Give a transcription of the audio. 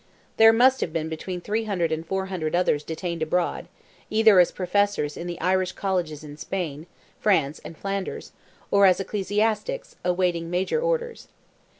There must have been between 300 and 400 others detained abroad, either as Professors in the Irish Colleges in Spain, France, and Flanders, or as ecclesiastics, awaiting major orders.